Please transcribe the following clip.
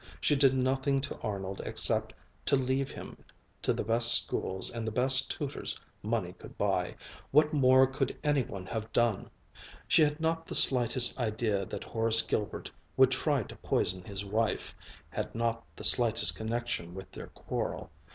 She did nothing to Arnold except to leave him to the best schools and the best tutors money could buy. What more could any one have done? She had not the slightest idea that Horace Gilbert would try to poison his wife, had not the slightest connection with their quarrel.